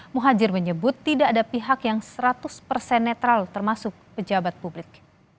muhajir menyebut tidak ada pihak yang seratus persen netral termasuk pejabat publik